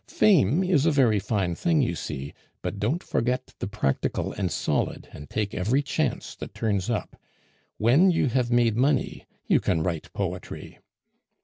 Fame is a very fine thing, you see, but don't forget the practical and solid, and take every chance that turns up. When you have made money, you can write poetry."